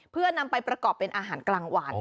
เพื่อนำไปประกอบเป็นอาหารกลางวัน